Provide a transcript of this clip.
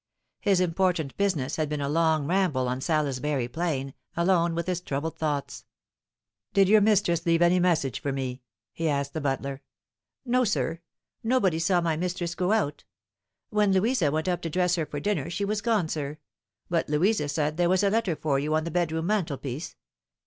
His important business had been a long ramble on Salisbury Plain, alone with his troubled thoughts. " Did your mistress leave any message for rne ?" he asked the butler. " No, sir. Nobody saw my mistress go out. When Louisa went up to dress her for dinner she was gone, sir but Louisa said there was a letter for you on tha bedroom mantelpiece.